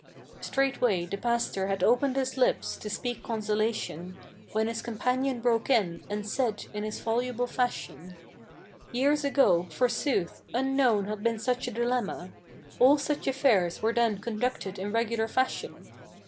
Straightway the pastor had opened his lips to speak consolation, When his companion broke in, and said in his voluble fashion: "Years ago, forsooth, unknown had been such a dilemma. All such affairs were then conducted in regular fashion.